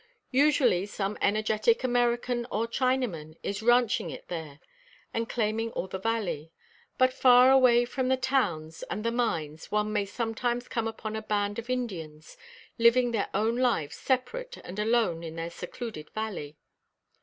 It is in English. Usually, some energetic American or Chinaman is ranching it there, and claiming all the valley; but far away from the towns and the mines one may sometimes come upon a band of Indians, living their own lives separate and alone in their secluded valley.